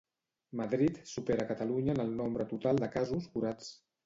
Madrid supera Catalunya en el nombre total de casos curats.